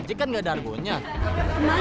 tentang baik we baik